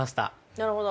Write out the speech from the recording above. なるほど。